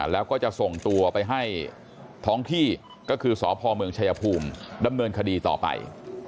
แล้วก็จะส่งตัวไปให้ท้องที่ก็คือสพเมืองชายภูมิดำเนินคดีต่อไป